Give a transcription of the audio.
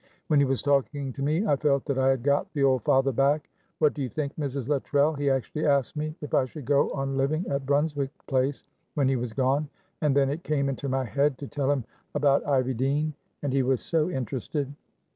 When he was talking to me I felt that I had got the old father back. What do you think, Mrs. Luttrell? he actually asked me if I should go on living at Brunswick Place when he was gone, and then it came into my head to tell him about Ivydene, and he was so interested.